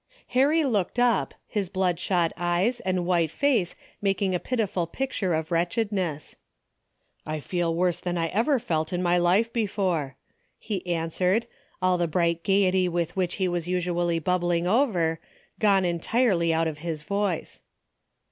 Harry looked up, his bloodshot eyes and white face making a pitiful picture of wretch edness. " I feel worse than I ever felt in my life be fore," he answered, all the bright gaiety with which he was usually bubbling over, gone en tirely out of his voice.